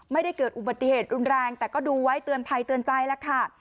ไม่ได้เกิดอุบัติเหตุรุนแรงแต่ก็ดูไว้เตือนภัยเตือนใจแล้วค่ะ